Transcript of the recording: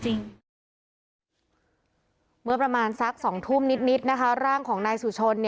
เมื่อประมาณสัก๒ทุ่มนิดนะคะร่างของนายสุชน